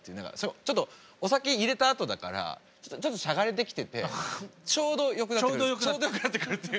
ちょっとお酒入れたあとだからちょっとしゃがれてきててちょうどよくなってくるんです。